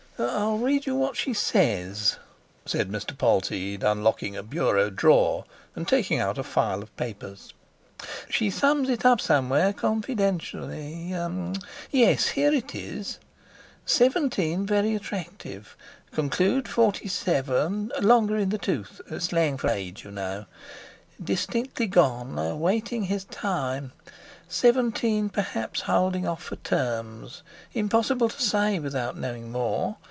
"I'll read you what she says," said Mr. Polteed, unlocking a bureau drawer and taking out a file of papers; "she sums it up somewhere confidentially. Yes, here it is! '17 very attractive—conclude 47, longer in the tooth' (slang for age, you know)—'distinctly gone—waiting his time—17 perhaps holding off for terms, impossible to say without knowing more.